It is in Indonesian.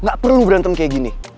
gak perlu berantem kayak gini